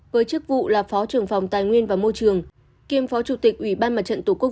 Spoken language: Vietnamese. với chức vụ là phó trưởng phòng tài nguyên và môi trường kiêm phó chủ tịch ủy ban mặt trận tổ quốc